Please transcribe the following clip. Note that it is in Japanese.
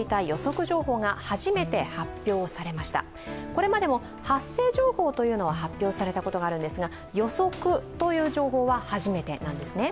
これまでも発生情報というのは発表されたことがあるんですが予測という情報は初めてなんですね。